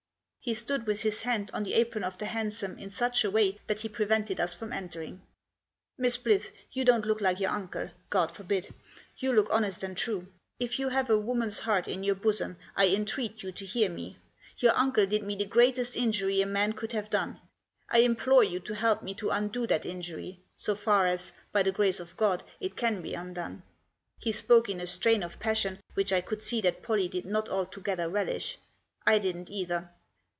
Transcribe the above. He stood with his hand on the apron of the hansom in such a way that he prevented us from entering. Digitized by 60 THE JOSS. " Miss Blyth, you don't look like your uncle — God forbid ! You look honest and true. If you have a woman's heart in your bosom I entreat you to hear me. Your uncle did me the greatest injury a man could have done. I implore you to help me to undo that injury, so far as, by the grace of God, it can be undone." He spoke in a strain of passion which I could see that Pollie did not altogether relish. I didn't either.